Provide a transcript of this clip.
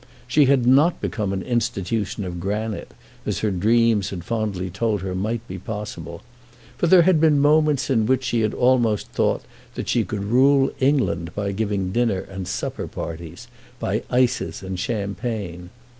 She had not become an institution of granite, as her dreams had fondly told her might be possible; for there had been moments in which she had almost thought that she could rule England by giving dinner and supper parties, by ices and champagne.